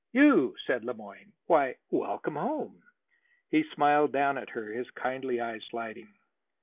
"You!" said Le Moyne. "Why, welcome home." He smiled down at her, his kindly eyes lighting.